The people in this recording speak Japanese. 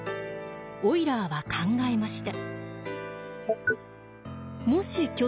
オイラーは考えました。